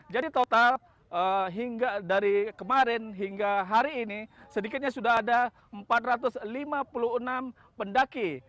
total hingga dari kemarin hingga hari ini sedikitnya sudah ada empat ratus lima puluh enam pendaki